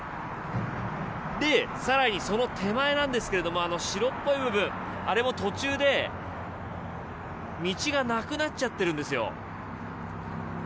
さらにその手前なんですけれどもあの白っぽい部分あれも途中で道がなくなっちゃっているんですよ。